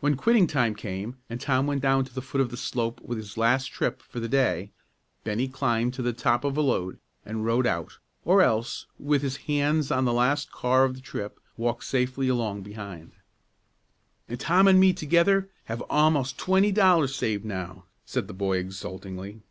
When quitting time came, and Tom went down to the foot of the slope with his last trip for the day, Bennie climbed to the top of a load, and rode out, or else, with his hands on the last car of the trip, walked safely along behind. "And Tom and me together have a'most twenty dollars saved now!" said the boy exultingly.